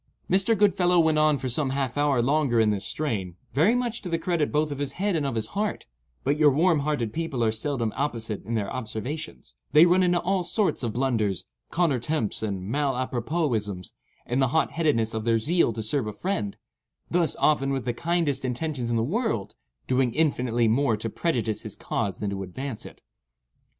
Mr. Goodfellow went on for some half hour longer in this strain, very much to the credit both of his head and of his heart; but your warm hearted people are seldom apposite in their observations—they run into all sorts of blunders, contre temps and mal apropos isms, in the hot headedness of their zeal to serve a friend—thus, often with the kindest intentions in the world, doing infinitely more to prejudice his cause than to advance it.